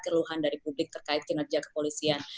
keluhan dari publik terkait kinerja kepolisian